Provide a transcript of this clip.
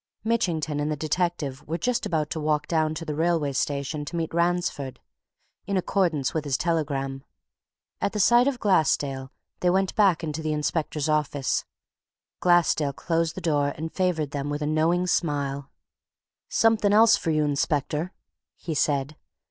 Mitchington and the detective were just about to walk down to the railway station to meet Ransford, in accordance with his telegram. At sight of Glassdale they went back into the inspector's office. Glassdale closed the door and favoured them with a knowing smile. "Something else for you, inspector!" he said.